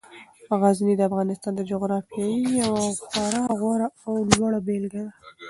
غزني د افغانستان د جغرافیې یوه خورا غوره او لوړه بېلګه ده.